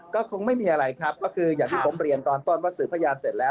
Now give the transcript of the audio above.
ก็คงไม่มีอะไรครับก็คืออย่างที่ผมเรียนตอนต้นว่าสื่อพยานเสร็จแล้ว